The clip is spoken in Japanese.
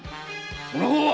その方は？